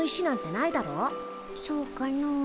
そうかの？